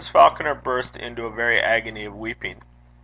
Falconer burst into a very agony of weeping.